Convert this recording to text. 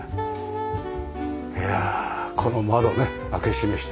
いやあこの窓ね開け閉めして。